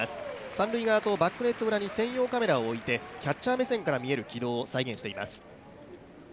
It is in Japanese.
三塁側とバックネット裏に専用カメラを置いてキャッチャー目線から見える軌道を再現しています。